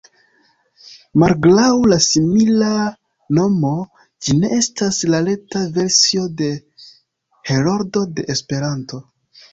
Malgraŭ la simila nomo, ĝi ne estas la reta versio de Heroldo de Esperanto.